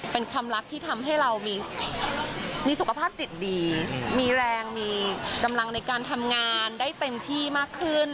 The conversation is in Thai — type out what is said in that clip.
เป็นความรักที่ทำให้เรามีสุขภาพจิตดีมีแรงมีกำลังในการทำงานได้เต็มที่มากขึ้น